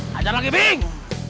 hajar lagi bing